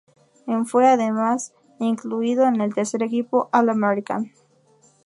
En fue además incluido en el tercer equipo All-American.